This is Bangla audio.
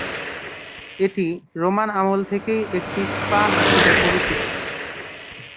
এটি রোমান আমল থেকেই একটি স্পা হিসেবে পরিচিত।